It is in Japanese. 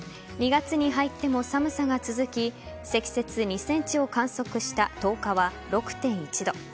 ２月に入っても寒さが続き積雪２ｃｍを観測した１０日は６．１度。